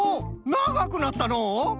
ながくなったのう。